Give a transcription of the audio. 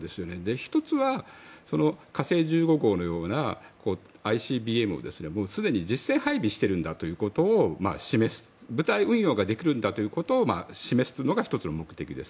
１つは火星１５号のようなＩＣＢＭをすでに実戦配備しているんだということを示す部隊運用ができるんだということを示すのが１つの目的です。